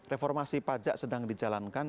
reformasi pajak sedang dijalankan